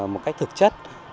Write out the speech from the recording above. một cách thực chất